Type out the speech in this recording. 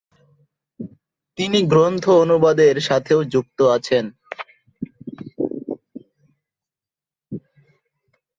তিনি গ্রন্থ অনুবাদের সাথেও যুক্ত আছেন।